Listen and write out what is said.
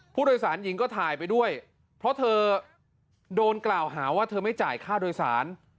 ผู้โดยสารหญิงก็ถ่ายไปด้วยเพราะเธอโดนกล่าวหาว่าเธอไม่จ่ายค่าโดยสาร